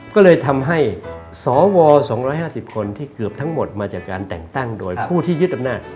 ก็เลยทำให้สว๒๕๐คนที่เกือบทั้งหมดมาจากการแต่งตั้งโดยผู้ที่ยึดอำนาจ